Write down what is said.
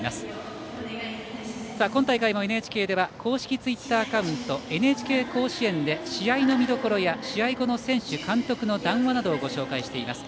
今大会もＮＨＫでは公式ツイッターアカウント「ＮＨＫ甲子園」で試合の見どころや試合後の選手監督の談話などもご紹介しています。